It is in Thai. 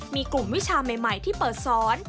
มีกลุ่มวิชาใหม่ที่เปิดสอน